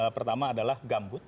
pertama adalah gambut